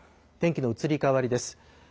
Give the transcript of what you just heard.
天気の移り変わりです。